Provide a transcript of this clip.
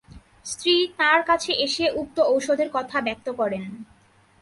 স্ত্রী তাঁর কাছে এসে উক্ত ঔষধের কথা ব্যক্ত করেন।